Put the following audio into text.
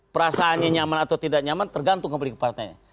perasaannya nyaman atau tidak nyaman tergantung ke publik partainya